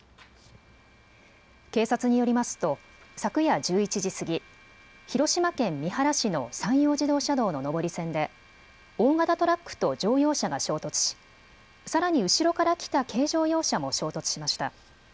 警察によりますと昨夜１１時過ぎ広島県三原市の山陽自動車道の上り線で大型トラックと乗用車が衝突しさらに後ろから来た軽乗用車も衝突しました。